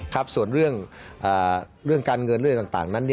ครับส่วนเรื่องการเงินเรื่องต่างนั้น